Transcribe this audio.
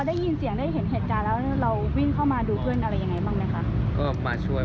ได้ยินเสียงได้เห็นเหตุการณ์แล้วเราวิ่งเข้ามาดูเพื่อนอะไรยังไงบ้างไหมคะ